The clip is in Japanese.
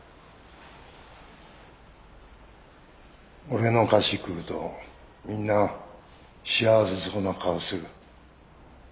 俺の菓子食うとみんな幸せそうな顔する。